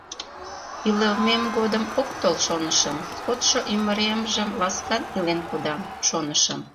Илымем годым ок тол, шонышым, кодшо ӱмыремжым ласкан илен кодам, шонышым.